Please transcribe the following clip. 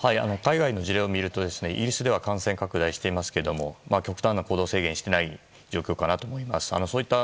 海外の事例を見るとイギリスでは感染拡大していますが極端な行動制限をしていない状況かなと思います。